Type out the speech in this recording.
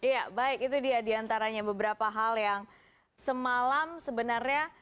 ya baik itu dia diantaranya beberapa hal yang semalam sebenarnya